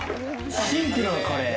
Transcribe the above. シンプルなカレー。